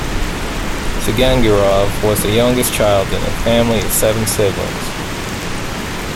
Zigangirov was the youngest child in a family of seven siblings.